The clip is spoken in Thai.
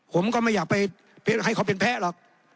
ผมก็ไม่อยากไปให้เขาเป็นแพ้หรอก